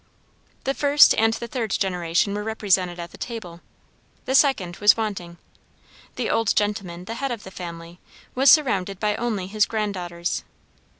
The first and the third generation were represented at the table; the second was wanting; the old gentleman, the head of the family, was surrounded by only his grand daughters.